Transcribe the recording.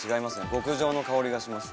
極上の香りがします。